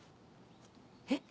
えっ？